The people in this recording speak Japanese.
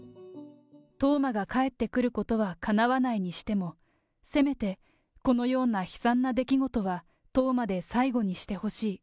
冬生が帰ってくることはかなわないにしても、せめてこのような悲惨な出来事は冬生で最後にしてほしい。